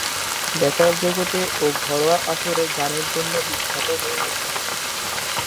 বেতার জগতে ও ঘরোয়া আসরে গানের জন্য বিখ্যাত হয়ে ওঠেন।